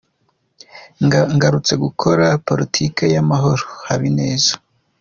Ngarutse gukora Politiki y’amahoro -Habineza